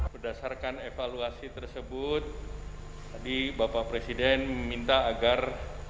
berdasarkan evaluasi tersebut tadi bapak presiden meminta agar